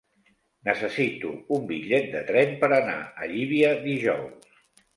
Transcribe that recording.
Necessito un bitllet de tren per anar a Llívia dijous.